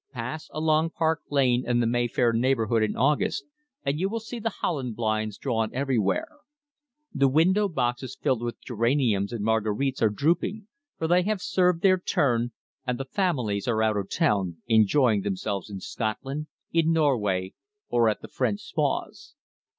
Pass along Park Lane and the Mayfair neighbourhood in August and you will see the Holland blinds drawn everywhere. The window boxes filled with geraniums and marguerites are drooping, for they have served their turn and "the families" are out of town, enjoying themselves in Scotland, in Norway, or at the French Spas.